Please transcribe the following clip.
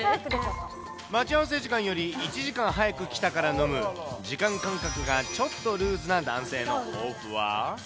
待ち合わせ時間より１時間早く来たから飲む、時間感覚がちょっとルーズな男性の抱負は？